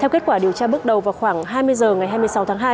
theo kết quả điều tra bước đầu vào khoảng hai mươi giờ ngày hai mươi sáu tháng hai